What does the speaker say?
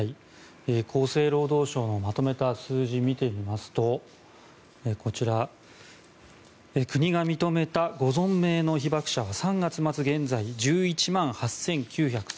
厚生労働省のまとめた数字を見てみますと国が認めたご存命の被爆者は３月末現在１１万８９３５人。